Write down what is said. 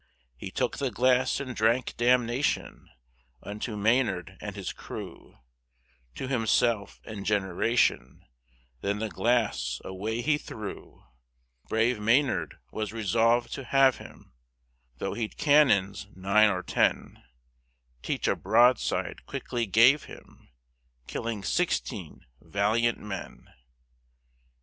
He took the Glass, and drank Damnation Unto Maynard and his Crew; To himself and Generation, Then the Glass away he threw; Brave Maynard was resolv'd to have him, Tho' he'd Cannons nine or ten; Teach a broadside quickly gave him, Killing sixteen valiant Men.